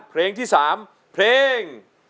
เพลงที่๓เพลง